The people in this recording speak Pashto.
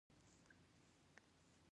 چرګان د افغانانو د تفریح یوه وسیله ده.